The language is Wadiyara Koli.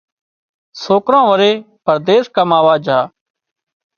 سوڪران وري پرديس ڪماوا جھا